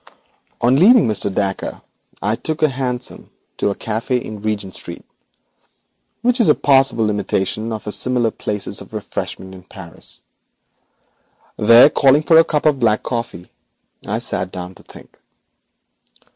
On leaving Mr. Dacre I took a hansom to a café in Regent Street, which is a passable imitation of similar places of refreshment in Paris. There, calling for a cup of black coffee, I sat down to think.